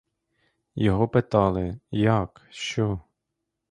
Його питали — як? що?